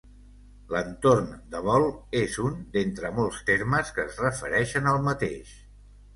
L'entorn de vol és un d'entre molts termes que es refereixen al mateix.